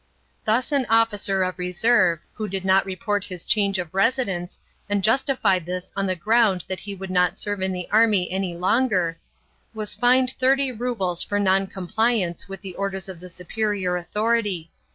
Thus an officer of reserve, who did not report his change of residence, and justified this on the ground that he would not serve in the army any longer, was fined thirty rubles for non compliance with the orders of the superior authority.